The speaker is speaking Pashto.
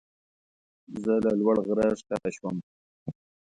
زه له لوړ غره ښکته شوم.